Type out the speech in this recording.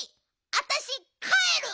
あたしかえる！